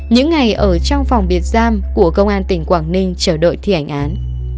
những ngày ở trong phòng biệt giam của công an tỉnh quảng ninh chờ đợi thi hành án